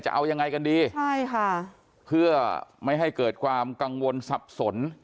จะเอายังไงกันดีใช่ค่ะเพื่อไม่ให้เกิดความกังวลสับสน